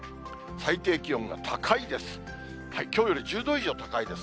最低気温が高いです。